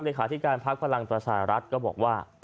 เลขาธิการพักพลังประชารัฐก็บอกว่า